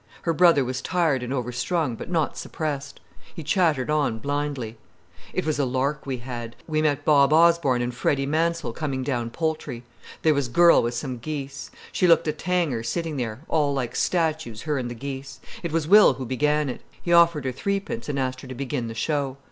Her brother was tired and overstrung, but not suppressed. He chattered on blindly. "It was a lark we had! We met Bob Osborne and Freddy Mansell coming down Poultry. There was a girl with some geese. She looked a tanger sitting there, all like statues, her and the geese. It was Will who began it. He offered her three pence and asked her to begin the show.